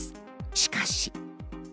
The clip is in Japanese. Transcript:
しかし。